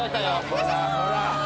ほらほら。